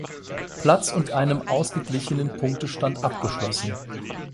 Platz und einem ausgeglichenen Punktestand abgeschlossen.